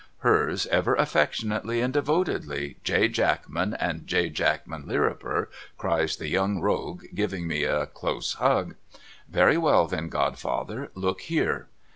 ' Hers ever affectionately and devotedly J. Jackman, and J. Jackman Lirriper,' cries the Young Rogue giving me a close hug. ' Very well then godfather. Look here.